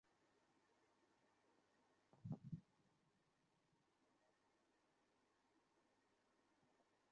মাঝমাঠ দিয়ে ওরা যেভাবে আক্রমণ শাণাল সেটা ব্রাজিলের জন্য ভয়ের বিষয়।